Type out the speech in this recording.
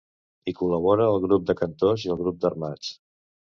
Hi col·labora el grup de cantors i el grup d'armats.